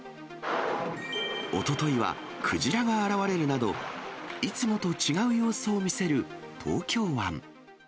おとといは、クジラが現れるなど、いつもと違う様子を見せる東京湾。